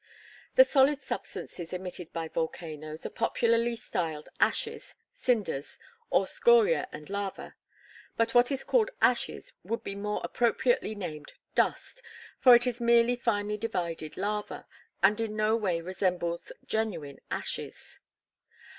The solid substances emitted by volcanoes are popularly styled ashes, cinders, or scoria and lava. But what is called ashes would be more appropriately named dust; for it is merely finely divided lava, and in no way resembles genuine ashes.